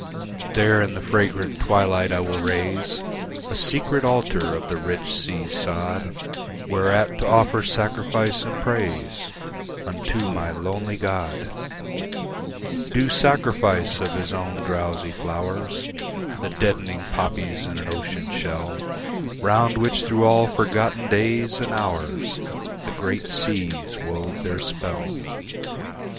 There in the fragrant twilight I will raise A secret altar of the rich sea sod, Whereat to offer sacrifice and praise Unto my lonely god: Due sacrifice of his own drowsy flowers, The deadening poppies in an ocean shell Round which through all forgotten days and hours The great seas wove their spell.